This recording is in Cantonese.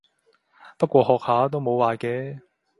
不過學下都冇壞嘅